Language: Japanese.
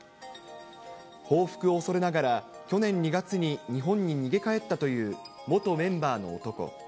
報復を恐れながら、去年２月に日本に逃げ帰ったという元メンバーの男。